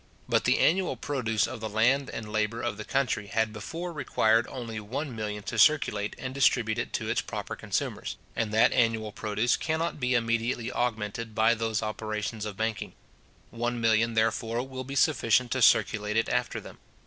But the annual produce of the land and labour of the country had before required only one million to circulate and distribute it to its proper consumers, and that annual produce cannot be immediately augmented by those operations of banking. One million, therefore, will be sufficient to circulate it after them.